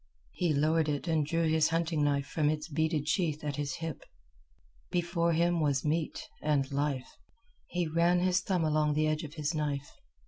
He lowered it and drew his hunting knife from its beaded sheath at his hip. Before him was meat and life. He ran his thumb along the edge of his knife.